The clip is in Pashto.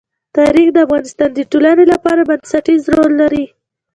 تاریخ د افغانستان د ټولنې لپاره بنسټيز رول لري.